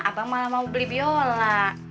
apa malah mau beli biola